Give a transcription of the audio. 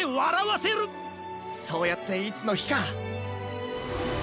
そうやっていつのひか。